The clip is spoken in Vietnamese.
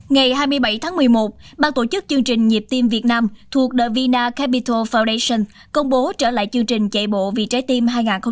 ngày hai mươi bảy tháng một mươi một ban tổ chức chương trình nhịp tim việt nam thuộc the vina capital foundation công bố trở lại chương trình chạy bộ vì trái tim hai nghìn hai mươi